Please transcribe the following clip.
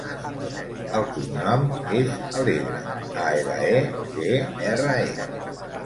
El cognom és Alegre: a, ela, e, ge, erra, e.